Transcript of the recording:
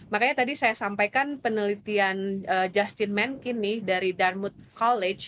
makanya tadi saya sampaikan penelitian justin menkin nih dari darmut college